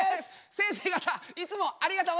せんせい方いつもありがとうございます！